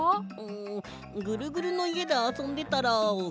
んぐるぐるのいえであそんでたらおくれちゃった。